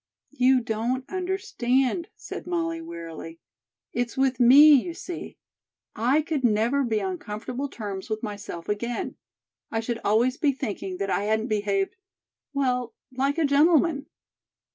"You don't understand," said Molly wearily. "It's with me, you see. I could never be on comfortable terms with myself again. I should always be thinking that I hadn't behaved well, like a gentleman."